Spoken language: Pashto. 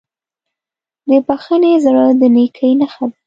د بښنې زړه د نیکۍ نښه ده.